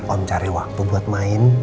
om cari waktu buat main